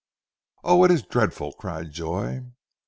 "Oh, it is dreadful!" cried Joy.